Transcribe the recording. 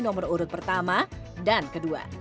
nomor urut pertama dan kedua